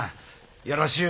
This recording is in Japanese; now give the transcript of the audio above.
よろしゅう